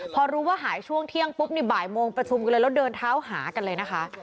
พอรู้ว่าหายช่วงเที่ยงปุ๊บนี่บ่ายโมงประชุมกันเลยแล้วเดินเท้าหากันเลยนะคะ